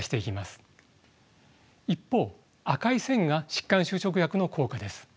一方赤い線が疾患修飾薬の効果です。